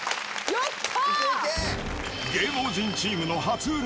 やった！